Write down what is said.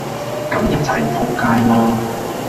咁一齊仆街囉!